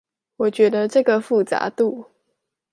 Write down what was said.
我覺得這個複雜度